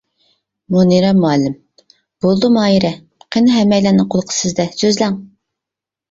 مۇنىرە مۇئەللىم: بولىدۇ ماھىرە، قېنى ھەممەيلەننىڭ قۇلىقى سىزدە، سۆزلەڭ.